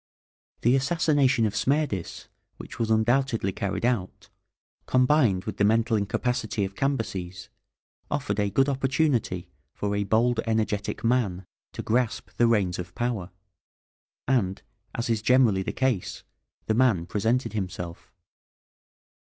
The assassination of Smerdis, which was undoubtedly carried out, combined with the mental incapacity of Cambyses, offered a good opportunity for a bold, energetic man to grasp the reins of power, and, as is generally the case, the man presented himself.